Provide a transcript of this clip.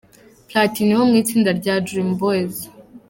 Platini wo mu itsinda rya Dream Boys.